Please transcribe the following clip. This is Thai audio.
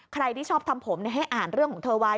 ใครที่ชอบทำผมให้อ่านเรื่องของเธอไว้